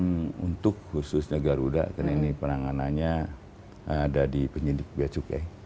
ini untuk khususnya garuda karena ini penanganannya ada di penyelidik beacuk ya